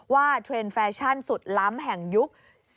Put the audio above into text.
เทรนด์แฟชั่นสุดล้ำแห่งยุค